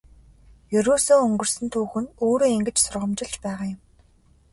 Ерөөсөө өнгөрсөн түүх нь өөрөө ингэж сургамжилж байгаа юм.